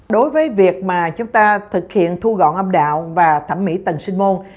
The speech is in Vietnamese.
đối với việc mà chúng ta thực hiện thu gọn âm đạo và thẩm mỹ tầng sinh môn